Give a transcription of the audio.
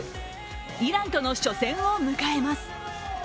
イランとの初戦を迎えます。